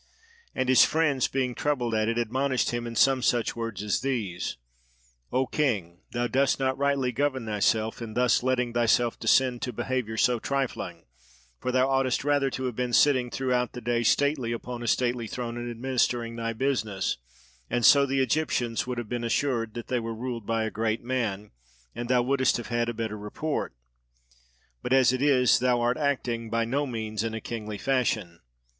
And his friends being troubled at it admonished him in some such words as these: "O king, thou dost not rightly govern thyself in thus letting thyself descend to behaviour so trifling; for thou oughtest rather to have been sitting throughout the day stately upon a stately throne and administering thy business; and so the Egyptians would have been assured that they were ruled by a great man, and thou wouldest have had a better report: but as it is, thou art acting by no means in a kingly fashion."